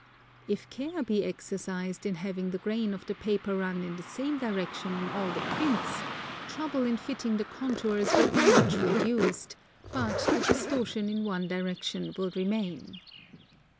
If care be exercised in having*the grain of the paper run in the same direction in all the prints, trouble in fitting the contours will be much reduced, but the distortion in one direction will remain.